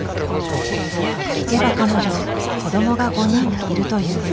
聞けば彼女子供が５人いるという。